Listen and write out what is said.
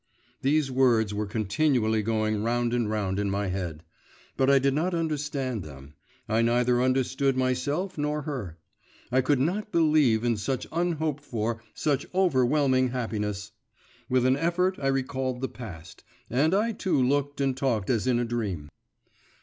These words were continually going round and round in my head; but I did not understand them I neither understood myself nor her. I could not believe in such unhoped for, such overwhelming happiness; with an effort I recalled the past, and I too looked and talked as in a dream.